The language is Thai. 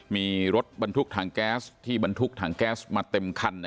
มีรถบรรทุกถังแก๊สที่บรรทุกถังแก๊สมาเต็มคัน